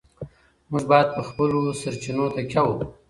موږ باید په خپلو سرچینو تکیه وکړو.